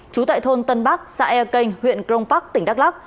trú tại thôn tân bắc xã e kênh huyện crong park tỉnh đắk lắc